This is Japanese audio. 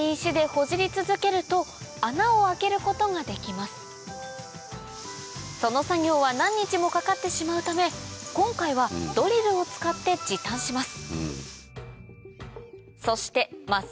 まずはその作業は何日もかかってしまうため今回はドリルを使って時短します